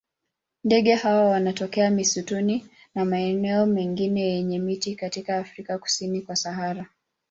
Ndege hawa wanatokea misitu na maeneo mengine yenye miti katika Afrika kusini kwa Sahara.